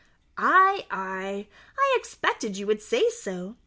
"Ay, ay, I expected you would say so.